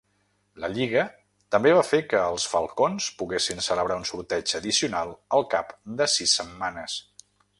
La lliga també va fer que els Falcons poguessin celebrar un sorteig addicional al cap de sis setmanes.